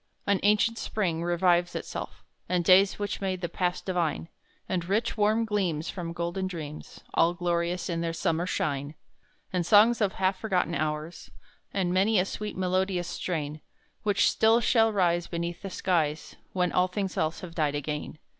An ancient Spring revives itself, And days which made the past divine; And rich warm gleams from golden dreams, All glorious in their summer shine; And songs of half forgotten hours, And many a sweet melodious strain, Which still shall rise Beneath the skies When all things else have died again.